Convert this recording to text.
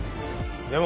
でも